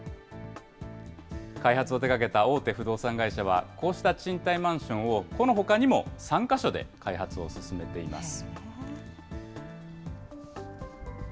開発を手がけた大手不動産会社は、こうした賃貸マンションをこのほかにも３か所で開発を進めています。